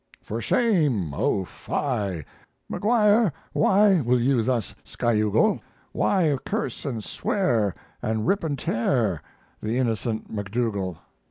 For shame! oh, fie! Maguire, why Will you thus skyugle? Why curse and swear, And rip and tear The innocent McDougal?